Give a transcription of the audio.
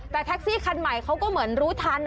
แต่แท็กซี่คันใหม่เขาก็เหมือนรู้ทัน